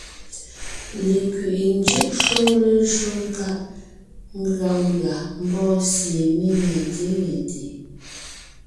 Lekwiʼi njʉ́ʼ shúm lejÿó nkáʼ ngʉa mbʉ́a mbɔɔ sie mé nyɛ̂te nyɛte.